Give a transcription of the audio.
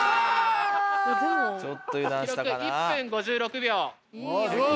記録１分５６秒。